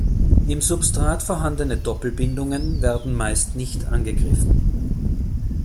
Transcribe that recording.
Im Substrat vorhandene Doppelbindungen werden meist nicht angegriffen.